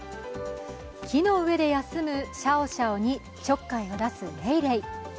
木の上で休むシャオシャオにちょっかいを出すレイレイ。